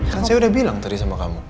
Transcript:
kan saya udah bilang tadi sama kamu